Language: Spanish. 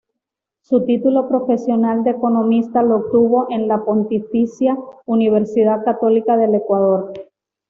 Su título profesional de economista lo obtuvo en la Pontificia Universidad Católica del Ecuador.